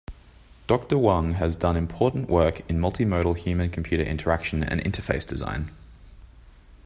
Doctor Huang has done important work in multimodal human computer interaction and interface design.